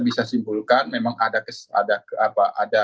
bisa simpulkan memang ada